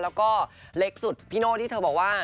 แล้วก็เล็กสุดพี่โน่ที่เธอบอกว่า